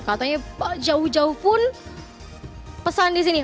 katanya jauh jauh pun pesan di sini